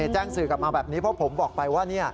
แจ้งสื่อกลับมาแบบนี้เพราะผมบอกไปว่า